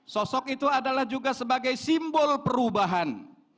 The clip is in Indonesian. sosok itu adalah juga sebagai simbol perubahan